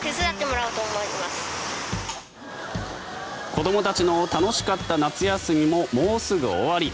子どもたちの楽しかった夏休みももうすぐ終わり。